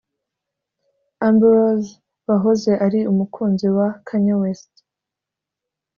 Amber Rose wahoze ari umukunzi wa Kanye West